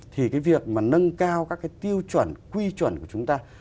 thì cái việc mà nâng cao các cái tiêu chuẩn quy chuẩn của chúng ta